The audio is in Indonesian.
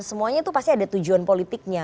semuanya itu pasti ada tujuan politiknya